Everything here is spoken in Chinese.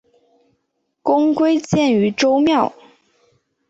公归荐于周庙。